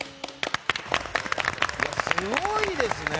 すごいですね。